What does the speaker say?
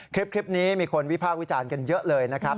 คลิปนี้มีคนวิพากษ์วิจารณ์กันเยอะเลยนะครับ